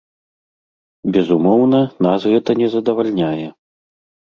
Безумоўна, нас гэта не задавальняе.